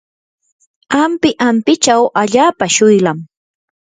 ampi ampichaw allaapa shuylam.